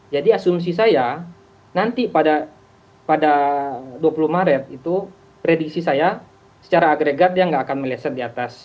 jadi asumsi saya nanti pada dua puluh maret itu prediksi saya secara agregat dia tidak akan meleset di atas satu